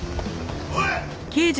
おい！